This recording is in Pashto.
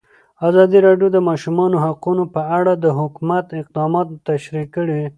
ازادي راډیو د د ماشومانو حقونه په اړه د حکومت اقدامات تشریح کړي.